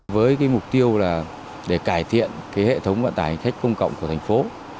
với mục tiêu để cải thiện hệ thống vận tải khách công cộng của thành phố